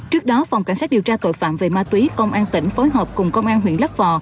trước đó phòng cảnh sát điều tra tội phạm về ma túy công an tỉnh phối hợp cùng công an huyện lấp vò